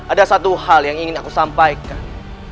ada satu hal yang ingin aku sampaikan